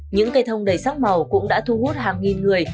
những cây thông đầy sắc màu cũng đã thu hút hàng nghìn người